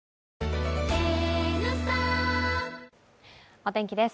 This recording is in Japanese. お天気です